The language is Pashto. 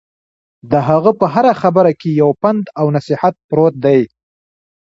د هغه په هره خبره کې یو پند او نصیحت پروت دی.